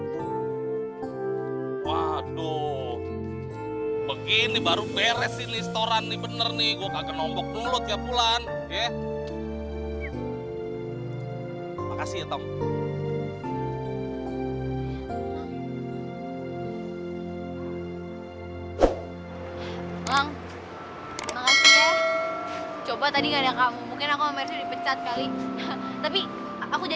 tapi aku janji kok aku bakalan ganti uang kesempatan ya